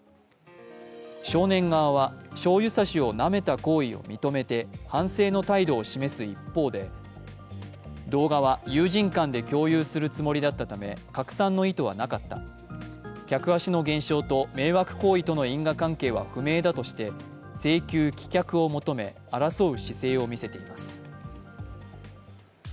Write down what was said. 少年側は、しょうゆ差しをなめた行為を認めて反省の態度を示す一方で、動画は友人間で共有するつもりだったため、拡散の意図はなかった、客足の減少と迷惑行為との因果関係は不明だとして請求棄却を求め争う姿勢を見せています。